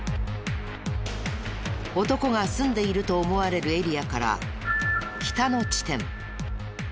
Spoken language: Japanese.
男が住んでいると思われるエリアから北の地点。